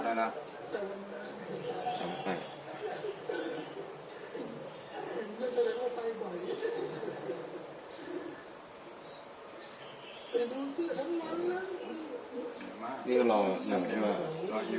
เราย้อนดูจ้องแค่ตรงนั้นอย่างนี้